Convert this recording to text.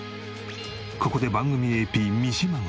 ここで番組ＡＰ三島が。